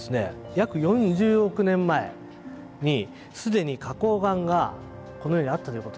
約４０億年前にすでに花こう岩がこのようにあったということなんです。